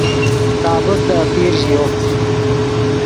ݰابیک دے آپیر ژیو